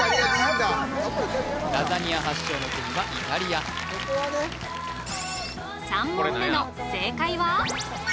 ラザニア発祥の国はイタリア３問目の正解は？